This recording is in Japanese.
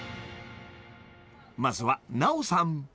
［まずは奈緒さん］